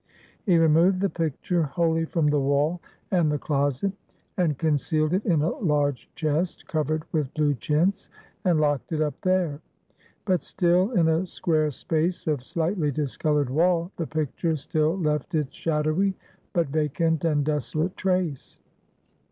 He removed the picture wholly from the wall, and the closet; and concealed it in a large chest, covered with blue chintz, and locked it up there. But still, in a square space of slightly discolored wall, the picture still left its shadowy, but vacant and desolate trace.